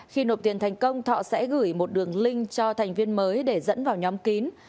khi nộp tiền thành công thọ sẽ gửi một đường link cho thành viên mới để dẫn vào nhóm kín